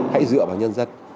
hãy dựa vào nhân dân